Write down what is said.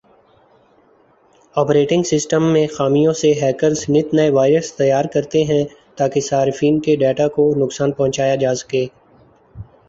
operating system میں خامیوں سے ہیکرز نت نئے وائرس تیار کرتے ہیں تاکہ صارفین کے ڈیٹا کو نقصان پہنچایا جاسکے